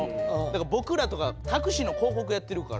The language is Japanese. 僕らとかタクシーの広告やってるから。